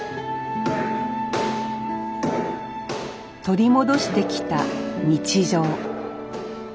取り戻してきた日常。